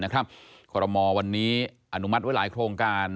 คอรมอลวันนี้อนุมัติไว้หลายโครงการ